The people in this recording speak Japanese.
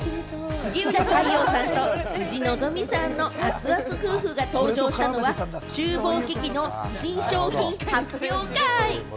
杉浦太陽さんと辻希美さんのアツアツ夫婦が登場したのは、厨房機器の新商品発表会。